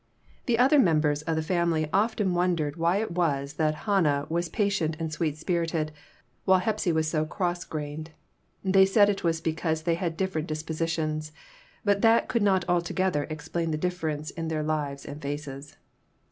The other members of the family 56 PERTURBATIONS. often wondered why it was that Hannah was patient and sweet spirited, while Hepsy was so "cross grained." They said it was because they had different dispositions, but that could not alto gether explain the difference in their lives and faces.